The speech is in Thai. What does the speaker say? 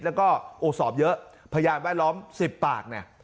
แล้วก็โอ้สอบเยอะพยานแวดล้อม๑๐ปากเนี่ย